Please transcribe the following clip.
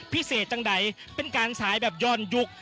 พิเศษจังใดเป็นการสายแบบย้อนยุค